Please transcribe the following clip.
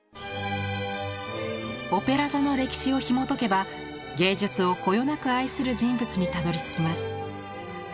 オペラ座の歴史をひもとけば芸術をこよなく愛する人物にたどりつきます。